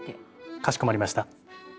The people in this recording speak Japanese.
かしこまりました。